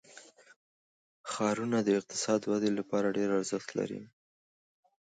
ښارونه د اقتصادي ودې لپاره ډېر ارزښت لري.